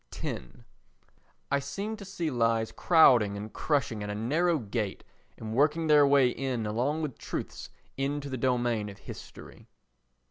x I seem to see lies crowding and crushing at a narrow gate and working their way in along with truths into the domain of history.